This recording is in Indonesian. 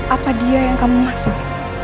apa dia yang kamu maksud